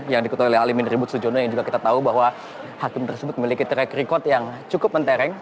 yang diketuai oleh alimin ribut sujono yang juga kita tahu bahwa hakim tersebut memiliki track record yang cukup mentereng